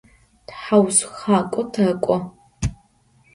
ТхьаусхакӀо тэкӀо.